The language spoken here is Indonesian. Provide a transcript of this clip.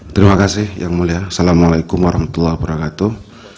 terima kasih yang mulia assalamualaikum warahmatullahi wabarakatuh